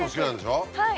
はい。